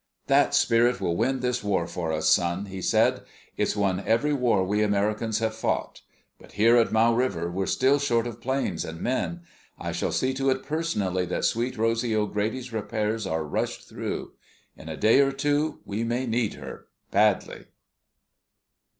"That spirit will win this war for us, son," he said. "It's won every war we Americans have fought. But here at Mau River we're still short of planes and men. I shall see to it personally that Sweet Rosy O'Grady's repairs are rushed through. In a day or two we may need her—badly!"